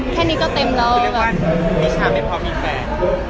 แค่นี้ก็เต็มแล้ว